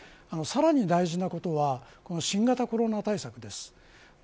さらに大事なことは新型コロナ対策です。